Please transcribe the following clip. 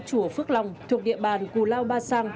chùa phước long thuộc địa bàn cù lao ba sang